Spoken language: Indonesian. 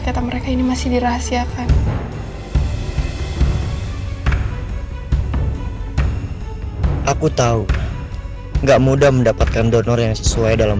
kata mereka ini masih dirahasiakan aku tahu enggak mudah mendapatkan donor yang sesuai dalam